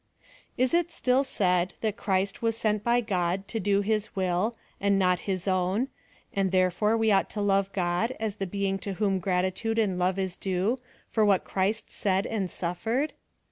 Is it still said, that Christ was sent by God, to do Ilis will, and not his own ; and therefore we ought to love God, as the being to whom gratitude and love is due, for what Christ said and suffered